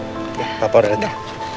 nah papa udah datang